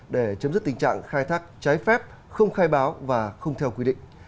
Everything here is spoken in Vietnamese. để chấm dứt tình trạng khai thác trái phép không khai báo và không theo quy định